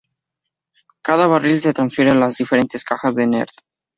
Cada barril se transfiere a las diferentes cajas de Nerd.